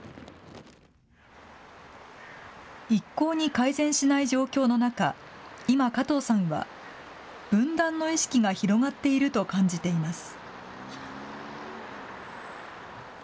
一向に改善しない状況の中、今、加藤さんは分断の意識が広がっていると感じています。